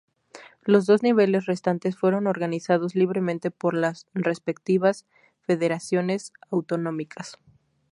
Los dos niveles restantes fueron organizados libremente por las respectivas federaciones autonómicas.